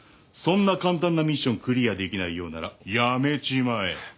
そんな簡単なミッションクリアできないようならやめちまえ。